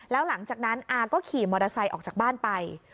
แล้วหลังจากนั้นอาก็ขี่มอเตอร์ไซค์ออกจากบ้านไป